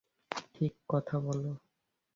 ঠিক কথা বল।